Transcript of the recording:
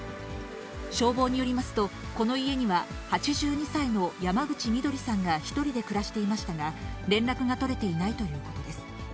消防によりますと、この家には８２歳の山口ミドリさんが１人で暮らしていましたが、連絡が取れていないということです。